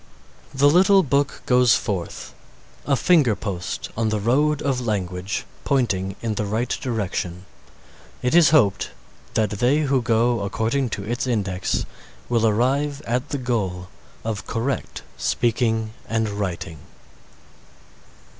The little book goes forth a finger post on the road of language pointing in the right direction. It is hoped that they who go according to its index will arrive at the goal of correct speaking and writing.